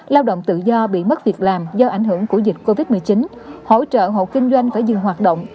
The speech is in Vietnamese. lao động tự do bị mất việc làm do ảnh hưởng của dịch covid một mươi chín hỗ trợ hộ kinh doanh phải dừng hoạt động